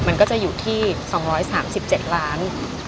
มันก็จะอยู่ที่๒๓๗ล้าน